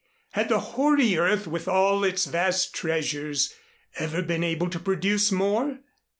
Had the hoary earth with all its vast treasures ever been able to produce more?